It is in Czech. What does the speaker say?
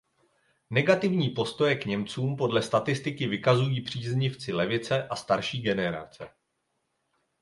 Negativní postoje k Němcům podle statistiky vykazují příznivci levice a starší generace.